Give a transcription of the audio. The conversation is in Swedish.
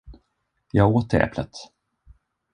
Jag åt det äpplet.